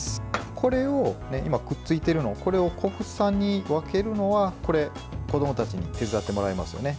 これ、今、くっついているのを小房に分けるのは子どもたちに手伝ってもらえますね。